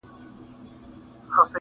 د الف لیله و لیله د کتاب د ریچارډ،